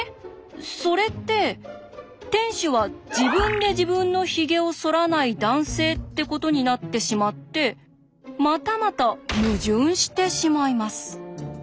それって店主は自分で自分のヒゲをそらない男性ってことになってしまってまたまた矛盾してしまいます。